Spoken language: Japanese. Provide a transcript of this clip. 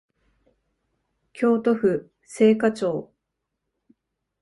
京都府精華町